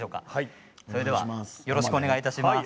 それではよろしくお願いします。